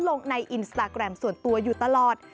ลงในอินสตาแกรมส่วนตัวอยู่ตลอด